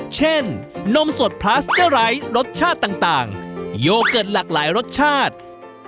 นมสดพลาสเจอร์ไร้รสชาติต่างโยเกิร์ตหลากหลายรสชาติ